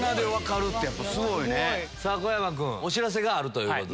さぁ小山君お知らせがあるということで。